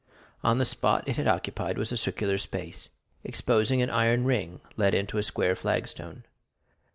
On the spot it had occupied was a circular space, exposing an iron ring let into a square flag stone.